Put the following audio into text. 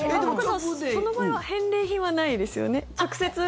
その場合は返礼品はないですよね。